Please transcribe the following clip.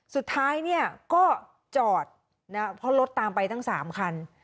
สุดท้ายเนี่ยก็จอดนะเพราะรถตามไปทั้ง๓คัน